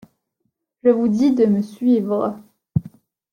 Je vous dis de me suivre.